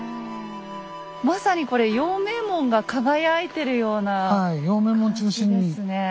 まさにこれ陽明門が輝いてるような。